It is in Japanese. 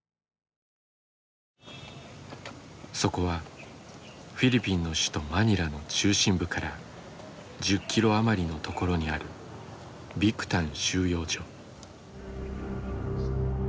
そこはフィリピンの首都マニラの中心部から１０キロ余りの所にあるビクタン収容所。